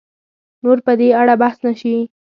نور په دې اړه بحث نه شي